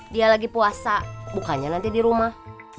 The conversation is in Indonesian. dia lagi puasa bukanya nanti di rumah